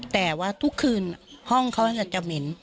แต่ว่าทุกคืนห้องเขาจะเหม็น